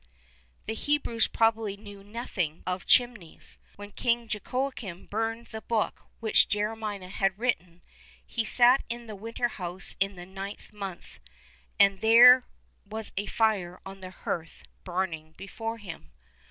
The Hebrews probably knew nothing of chimneys. When King Jehoiakim burned the book which Jeremiah had written, "he sat in the winter house in the ninth month: and there was a fire on the hearth burning before him."